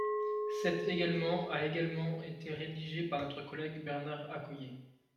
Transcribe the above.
Cet également a également été rédigé par notre collègue Bernard Accoyer.